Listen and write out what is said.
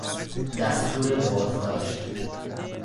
دستور بازداشت